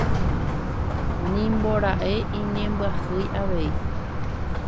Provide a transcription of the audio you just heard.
Nimbora'e iñembyahýi avei.